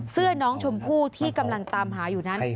เสื้อน้องชมพู่ที่กำลังตามหาอยู่นั้น